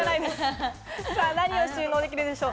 何を収納できるでしょう？